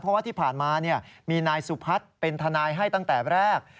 เพราะว่าที่ผ่านมามีนายสุพัฒน์เป็นทนายให้ตั้งแต่แรก